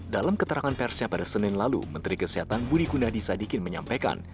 dalam keterangan persia pada senin lalu menteri kesehatan budi kunadisadikin menyampaikan